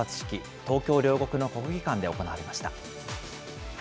東京・両国の国技館で行われました。